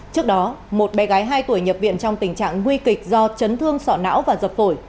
trước đó một bé gái hai tuổi nhập viện trong tình trạng nguy kịch do chấn thương sọ não và dập phổi